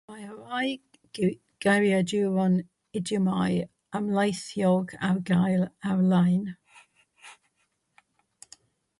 Mae rhai geiriaduron idiomau amlieithog ar gael ar-lein.